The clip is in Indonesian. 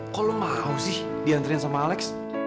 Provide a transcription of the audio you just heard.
kok lo mau sih diantrin sama alex